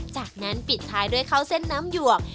จากนั้นปิดท้ายด้วยข้าวเส้นน้ำหยวก